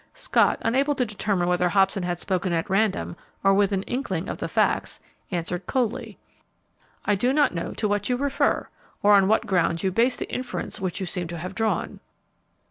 Scott, unable to determine whether Hobson had spoken at random or with an inkling of the facts, answered, coldly, "I do not know to what you refer, or on what grounds you base the inference which you seem to have drawn."